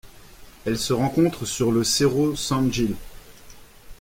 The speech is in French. Elle se rencontre sur le Cerro San Gil.